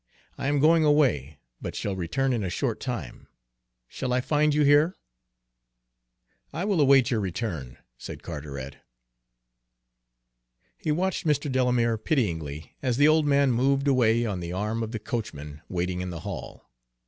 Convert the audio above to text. I am going away, but shall return in a short time. Shall I find you here?" "I will await your return," said Carteret. He watched Mr. Delamere pityingly as the old man moved away on the arm of the coachman waiting in the hall.